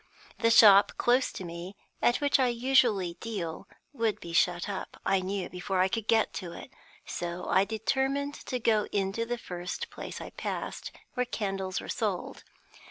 The shop close to me, at which I usually deal, would be shut up, I knew, before I could get to it; so I determined to go into the first place I passed where candles were sold.